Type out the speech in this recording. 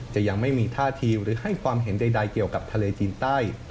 ยังไม่มีท่าทีหรือให้ความเห็นใดเกี่ยวกับทะเลจีนใต้